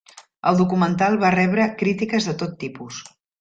El documental va rebre crítiques de tot tipus.